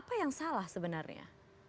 apa yang salah sebenarnya